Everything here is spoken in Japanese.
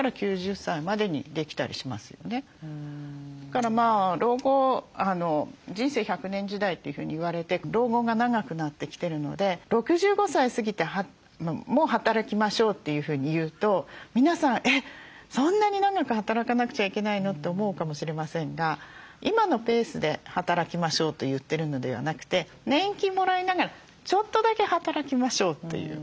だから老後人生１００年時代というふうに言われて老後が長くなってきてるので６５歳過ぎても働きましょうというふうに言うと皆さん「えっそんなに長く働かなくちゃいけないの？」って思うかもしれませんが今のペースで働きましょうと言ってるのではなくて年金もらいながらちょっとだけ働きましょうという。